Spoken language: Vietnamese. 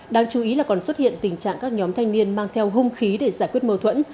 đáng chú ý là còn xuất hiện tình trạng các nhóm thanh niên mang theo hung khí để giải quyết mâu thuẫn